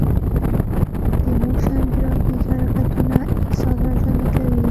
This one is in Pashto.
د موشن ګرافیک حرکتونه احساس راژوندي کوي.